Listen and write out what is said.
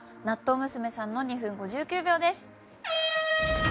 なっとう娘さんの２分５９秒です。